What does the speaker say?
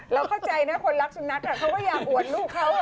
เราเข้าใจเนี่ยคนรักสุนัขอะเขาก็อยากอวดลูกเขาอะ